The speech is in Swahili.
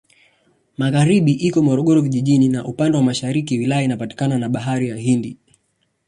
Magharibi iko Morogoro Vijijini na upande wa mashariki wilaya inapakana na Bahari ya Hindi.